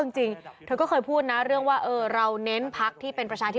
จริงเธอก็เคยพูดนะเรื่องว่าเราเน้นพักที่เป็นประชาธิ